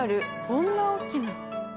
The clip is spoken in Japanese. こんな大きな。